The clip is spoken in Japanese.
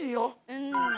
うん。